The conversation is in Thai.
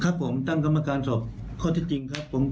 ครับผมตั้งกรรมการสอบข้อเท็จจริงครับ